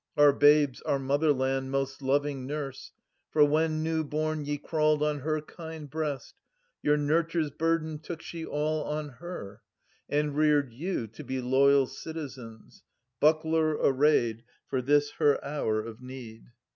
Our babes, our motherland, most loving nurse ; For when new bom ye crawled on her kind breast, Your nurture's burden took she all on her, And reared you, to be loyal citizens Buckler arrayed, for this her hour of need.